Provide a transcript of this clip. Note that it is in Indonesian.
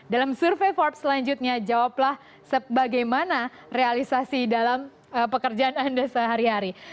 dalam survei forbes selanjutnya jawablah sebagaimana realisasi dalam pekerjaan anda sehari hari